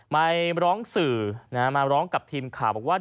มาร้องสื่อมาร้องกับทีมข่าวบอกว่า